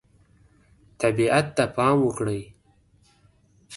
طبیعت ته پام وکړئ.